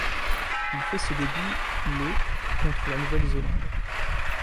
Il fait ses débuts le contre la Nouvelle-Zélande.